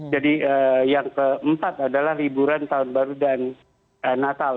jadi yang keempat adalah liburan tahun baru dan natal